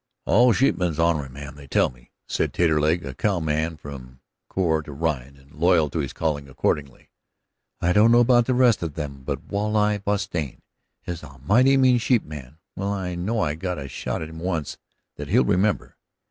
"All sheepmen's onery, ma'am, they tell me," said Taterleg, a cowman now from core to rind, and loyal to his calling accordingly. "I don't know about the rest of them, but Walleye Bostian is a mighty mean sheepman. Well, I know I got a shot at him once that he'll remember."